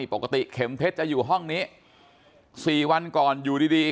เข็มเพชรจะอยู่ห้องนี้๔วันก่อนอยู่ดี